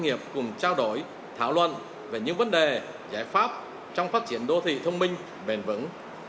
nghiệp cùng trao đổi thảo luận về những vấn đề giải pháp trong phát triển đô thị thông minh bền vững